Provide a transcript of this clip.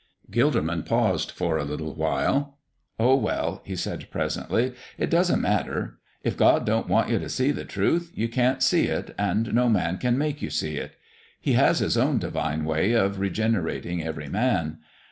Gilderman paused for a little while. "Oh, well," he said, presently, "it doesn't matter. If God don't want you to see the truth, you can't see it, and no man can make you see it. He has His own divine way of regenerating every man.